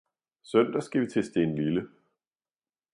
Søndag skal vi til Stenlille